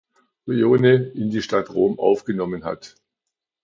Rione in die Stadt Rom aufgenommen hat.